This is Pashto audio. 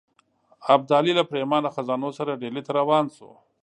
ابدالي له پرېمانه خزانو سره ډهلي ته روان شو.